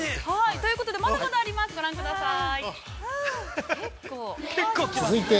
◆ということでまだまだあります、ご覧ください。